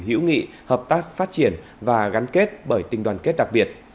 hữu nghị hợp tác phát triển và gắn kết bởi tình đoàn kết đặc biệt